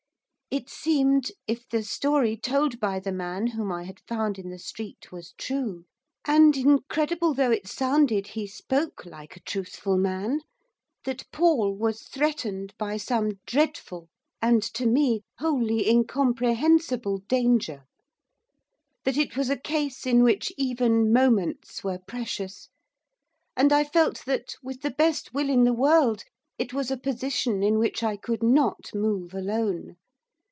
It seemed, if the story told by the man whom I had found in the street was true, and incredible though it sounded, he spoke like a truthful man! that Paul was threatened by some dreadful, and, to me, wholly incomprehensible danger; that it was a case in which even moments were precious; and I felt that, with the best will in the world, it was a position in which I could not move alone.